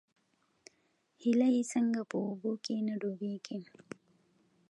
هیلۍ څنګه په اوبو کې نه ډوبیږي؟